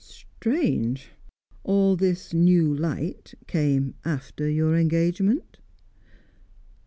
"Strange! All this new light came after your engagement?"